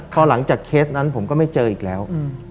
พอหลังจากเคสนั้นผมก็ไม่เจออีกแล้ว